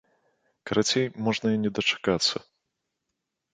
Карацей, можна і не дачакацца.